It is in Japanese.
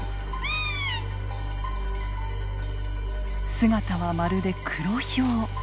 姿はまるでクロヒョウ。